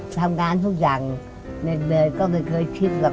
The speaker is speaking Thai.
ทำงานทุกอย่างเด็กก็ไม่เคยคิดหรอก